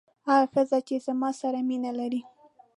هغه ښځه چې زما سره مینه لري.